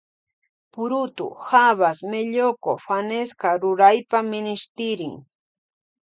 Purutu habas melloco fanesca ruraypa minishtirin.